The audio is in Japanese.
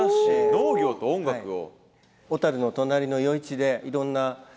農業と音楽を。